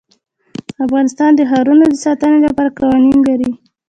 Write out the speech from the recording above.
افغانستان د ښارونه د ساتنې لپاره قوانین لري.